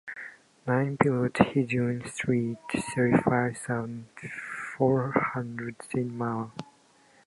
nine Pilote Hédouin Street, thirty-five thousand four hundred Saint-Malo